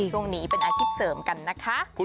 ช่วงนี้เป็นอาชีพเสริมกันนะคะ